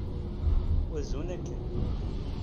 Wazun akken!